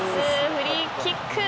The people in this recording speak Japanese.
フリーキック。